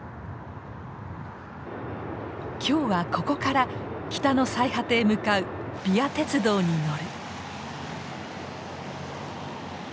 今日はここから北の最果てへ向かうＶＩＡ鉄道に乗る。